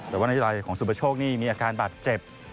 แต่ว่าในรอยของสุประโชคนี่มีอาการบาดเจ็บ